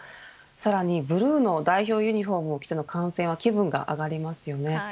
さらにブルーの代表ユニホームを着ての観戦は気分が上がりますよね。